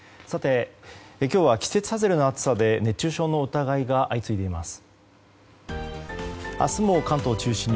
今日は季節外れの暑さで熱中症の疑いが相次いでいます。